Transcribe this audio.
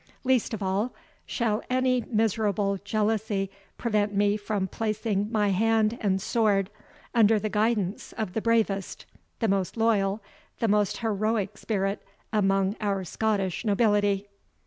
Least of all, shall any miserable jealousy prevent me from placing my hand and sword under the guidance of the bravest, the most loyal, the most heroic spirit among our Scottish nobility."